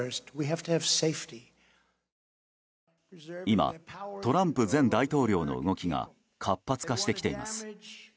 今、トランプ前大統領の動きが活発化してきています。